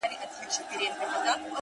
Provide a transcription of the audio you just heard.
چي بیا به څه ډول حالت وي! د ملنگ!